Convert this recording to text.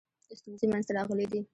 ستونزې منځته راغلي دي.